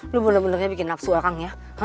lu bener benernya bikin nafsu orang ya